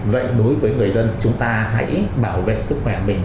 vậy đối với người dân chúng ta hãy bảo vệ sức khỏe mình